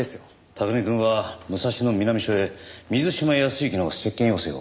拓海くんは武蔵野南署へ水島泰之の接見要請を。